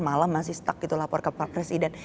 malam masih stuck gitu lapor kepada presiden